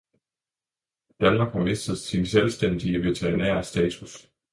Danmark har mistet sin selvstændige veterinære status.